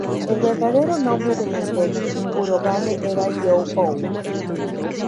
El verdadero nombre de nuestro Kurogane era, You-ou.